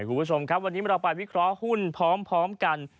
คุณผู้ชมครับวันนี้เราไปวิเคราะห์หุ้นพร้อมกัน